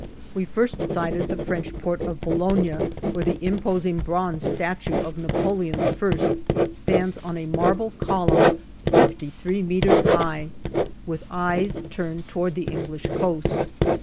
We first sighted the French port of Boulogne where the imposing bronze statue of Napoleon I stands on a marble column fifty three meters high, with eyes turned towards the English coast.